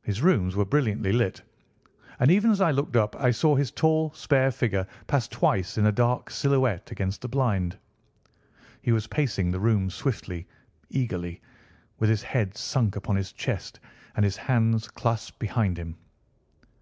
His rooms were brilliantly lit, and, even as I looked up, I saw his tall, spare figure pass twice in a dark silhouette against the blind. He was pacing the room swiftly, eagerly, with his head sunk upon his chest and his hands clasped behind him.